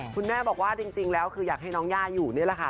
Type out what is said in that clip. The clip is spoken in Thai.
คุณแม่บอกว่าจริงแล้วคืออยากให้น้องย่าอยู่นี่แหละค่ะ